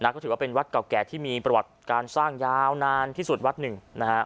ก็ถือว่าเป็นวัดเก่าแก่ที่มีประวัติการสร้างยาวนานที่สุดวัดหนึ่งนะฮะ